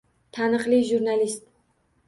Taniqli jurnalist